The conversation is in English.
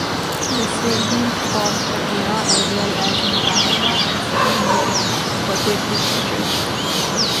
The salient of Kagera as well as Mbarara, a city in Uganda, were quickly captured.